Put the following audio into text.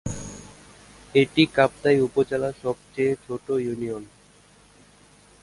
এটি কাপ্তাই উপজেলার সবচেয়ে ছোট ইউনিয়ন।